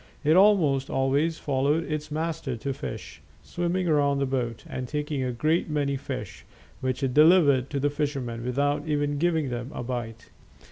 It almost always followed its master to fish, swimming around the boat and taking a great many fish, which it delivered to the fisherman without even giving them a bite.